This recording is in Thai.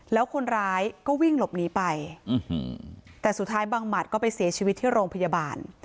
แล้วคนร้ายก็วิ่งหลบหนีไปแต่สุดท้ายบังหมัดก็ไปเสียชีวิตที่โรงพยาบาล